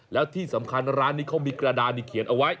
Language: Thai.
แล้วที่สำคัญร้านนี้เขามีกระดานนี่เขียนเอาไว้